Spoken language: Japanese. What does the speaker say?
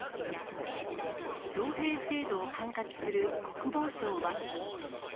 徴兵制度を管轄する国防省は。